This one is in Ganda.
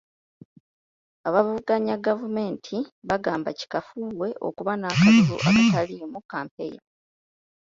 Abavuganya gavumenti bagamba kikafuuwe okuba n'akalulu akataliimu kampeyini.